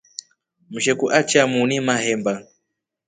Msheku achya muuni mahemba.